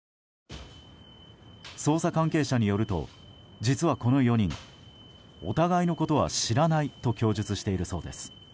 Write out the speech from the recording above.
捜査関係者によると実は、この４人お互いのことは知らないと供述しているそうです。